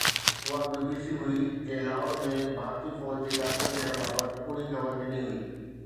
اها B B C هئي جنهن لاهور ۾ ڀارتي فوج جي داخل ٿيڻ بابت ڪوڙي خبر ڏني هئي